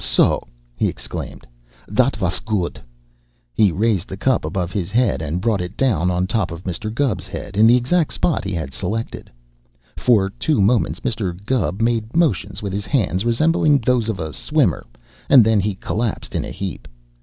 "So!" he exclaimed: "Dot vos goot!" He raised the cup above his head and brought it down on top of Mr. Gubb's head in the exact spot he had selected. For two moments Mr. Gubb made motions with his hands resembling those of a swimmer, and then he collapsed in a heap.